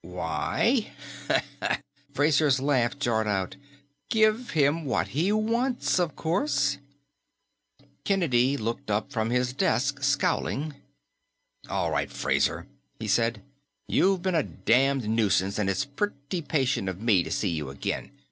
"Why " Fraser's laugh jarred out. "Give him what he wants, of course." Kennedy looked up from his desk, scowling. "All right, Fraser," he said. "You've been a damned nuisance, and it's pretty patient of me to see you again.